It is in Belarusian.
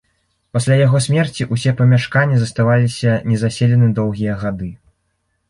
Пасля яго смерці ўсе памяшканні заставаліся незаселены доўгія гады.